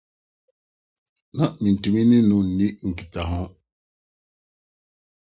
Ná mintumi ne no nni nkitaho.